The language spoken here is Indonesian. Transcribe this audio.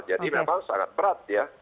jadi memang sangat berat ya